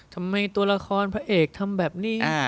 ทำไมตัวละครพระเอกทำแบบนี้